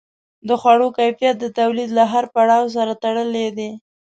د خوړو کیفیت د تولید له هر پړاو سره تړلی دی.